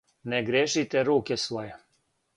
Не грешите руке своје!